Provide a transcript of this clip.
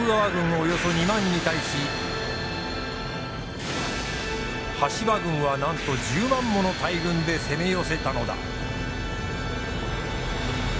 およそ２万に対し羽柴軍はなんと１０万もの大軍で攻め寄せたのだ。